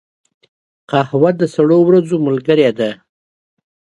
قهوه د سړو ورځو ملګرې ده